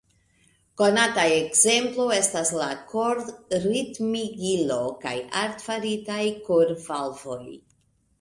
Konata ekzemplo estas la kor-ritmigilo kaj artefaritaj kor-valvoj.